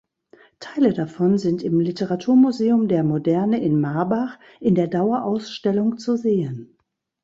Teile davon sind im Literaturmuseum der Moderne in Marbach in der Dauerausstellung zu sehen.